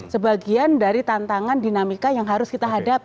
sebagian dari tantangan dinamika yang harus kita hadapi